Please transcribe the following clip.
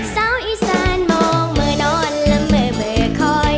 เศร้าอีสานมองเมอร์นอนแล้วเมอร์เมอร์คอย